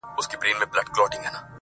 ستا خالونه مي ياديږي ورځ تېرېږي.